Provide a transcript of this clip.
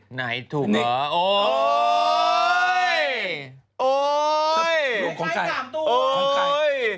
ไหนถูกหรอโอ๊ยโอ๊ยโอ๊ยกินไกล๓ตู้